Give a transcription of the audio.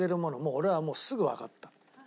俺はもうすぐわかった。